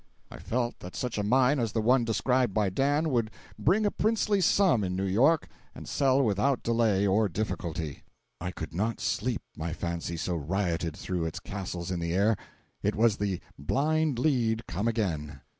I felt that such a mine as the one described by Dan would bring a princely sum in New York, and sell without delay or difficulty. I could not sleep, my fancy so rioted through its castles in the air. It was the "blind lead" come again.